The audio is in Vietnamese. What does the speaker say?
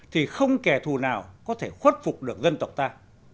thì không kẻ thù nào có thể khuất phục được dân tộc ta